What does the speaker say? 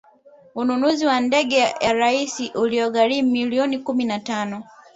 ununuzi wa ndege ya rais uliyoigharimu milioni kumi na tano